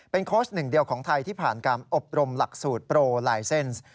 โค้ชหนึ่งเดียวของไทยที่ผ่านการอบรมหลักสูตรโปรลายเซ็นส์